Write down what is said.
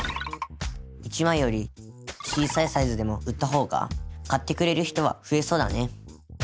１枚より小さいサイズでも売ったほうが買ってくれる人は増えそうだね。